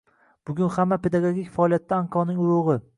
Bugun hamma pedagogik faoliyatda anqoning urug‘i.